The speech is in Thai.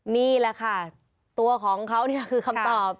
นี่แหละค่ะตัวของเขาเนี่ยคือคำตอบ